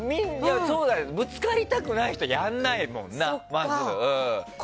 ぶつかりたくない人はやらないもんな、まず。